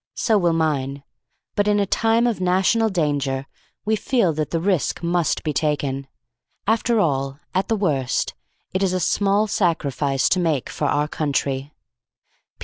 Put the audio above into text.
So will mine. But in a time of national danger we feel that the risk must be taken. After all, at the worst, it is a small sacrifice to make for our country.